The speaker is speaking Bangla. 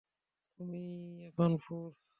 তুমি-ই এখন ফোর্স!